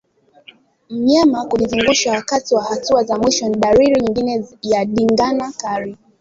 Mnyama kujizungusha wakati wa hatua za mwisho ni dalili nyingine ya ndigana kali